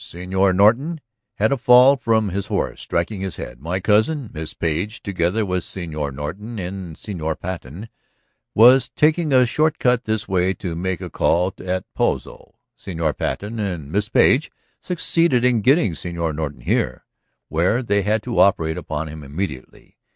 Señor Norton had a fall from his horse, striking his head. My cousin, Miss Page, together with Señor Norton and Señor Patten, was taking a short cut this way to make a call at Pozo. Señor Patten and Miss Page succeeded in getting Señor Norton here, where they had to operate upon him immediately.